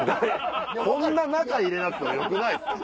こんな中入れなくてもよくないですか。